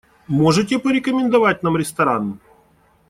Можете порекомендовать нам ресторан?